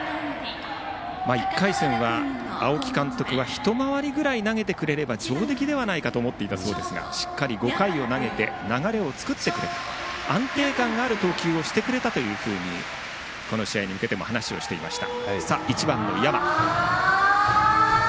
１回戦は、青木監督は一回りぐらい投げてくれれば上出来ではないかと思っていたそうですがしっかり５回を投げて流れを作ってくれた安定感のある投球をしてくれたとこの試合に向けても話をしていました。